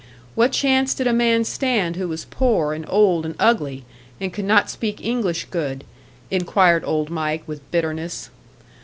What chance did a man stand who was poor and old and ugly, and could not speak English good? inquired old Mike, with bitterness.